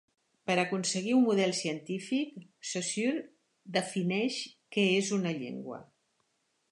Per aconseguir un model científic Saussure defineix què és una llengua.